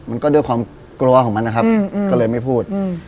มันก็ด้วยความกลัวของมันนะครับก็เลยไม่พูด